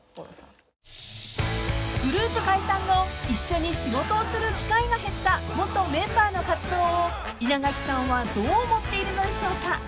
［グループ解散後一緒に仕事をする機会が減った元メンバーの活動を稲垣さんはどう思っているのでしょうか？］